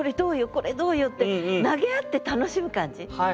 これどうよ？って投げ合って楽しむ感じ。